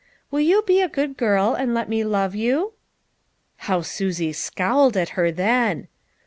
" Will you be a good girl, and let me love you?" How Susie scowled at her then